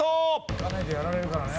いかないとやられるからね。